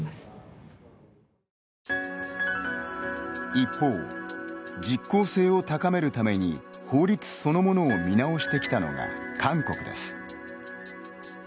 一方、実効性を高めるために法律そのものを見直してきたのが韓国です。